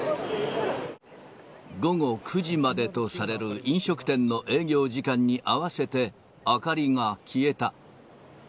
午後９時までとされる飲食店の営業時間に合わせて、明かりが消えた。